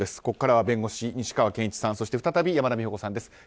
ここからは弁護士・西川研一さんそして再び山田美保子さんです。